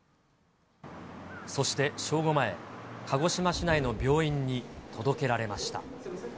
そして正午前、鹿児島市内の病院に届けられました。